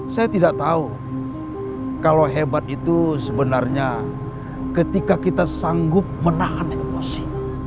saya tidak tahu kalau hebat itu sebenarnya ketika kita sanggup menahan emosi